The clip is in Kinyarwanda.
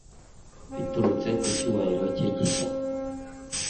Biturutse ku cyubahiro cye gishya